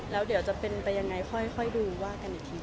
แล้วเดี๋ยวจะเป็นไปยังไงค่อยดูว่ากันอีกที